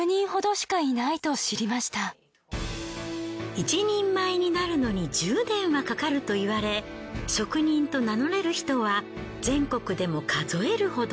一人前になるのに１０年はかかるといわれ職人と名乗れる人は全国でも数えるほど。